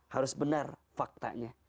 harus benar faktanya